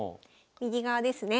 右側ですね。